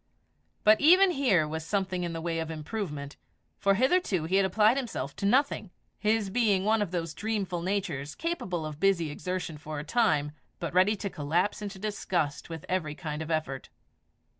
But even here was something in the way of improvement, for hitherto he had applied himself to nothing, his being one of those dreamful natures capable of busy exertion for a time, but ready to collapse into disgust with every kind of effort.